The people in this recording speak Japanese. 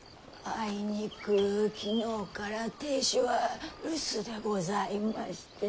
あいにく昨日から亭主は留守でございまして。